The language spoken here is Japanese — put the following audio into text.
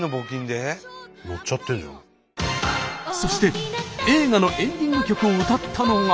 そして映画のエンディング曲を歌ったのが。